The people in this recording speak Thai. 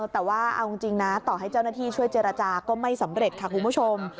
แต่ว่าเอาจริงนะต่อให้เจ้าหน้าที่ช่วยเจรจาก็ไม่สำเร็จค่ะคุณผู้ชม